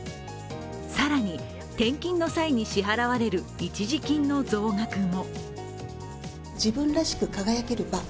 更に、転勤の際に支払われる一時金の増額も。